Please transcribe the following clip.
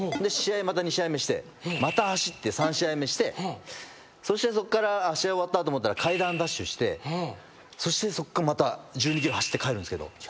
で２試合目してまた走って３試合目してそっから試合終わったと思ったら階段ダッシュしてそっからまた１２ｋｍ走って帰るんすけど。